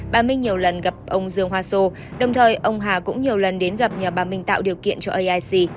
bà minh nhiều lần gặp ông dương hoa sô đồng thời ông hà cũng nhiều lần đến gặp nhà bà minh tạo điều kiện cho aic